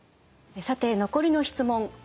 さて残りの質問画面